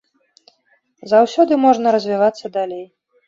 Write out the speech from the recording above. Заўсёды можна развівацца далей.